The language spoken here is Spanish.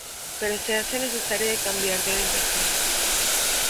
Pero se hace necesario de cambiar de orientación.